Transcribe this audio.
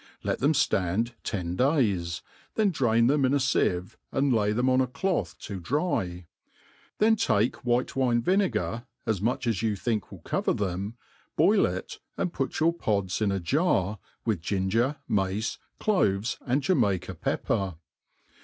Let them ftand ten days, then drain them in a fieve, and lay them on a cloth to dry $ then take white wine vinegar, as much as you think will cover them, boil it, and put your pods in a jar, wiih ginger, mace, cloves, and Jamaica pepper.